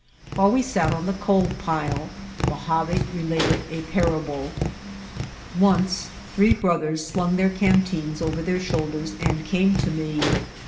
While we sat on the coal pile Mojave related a parable: "Once three brothers slung their canteens over their shoulders and came to me.